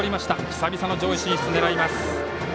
久々の上位進出を狙います。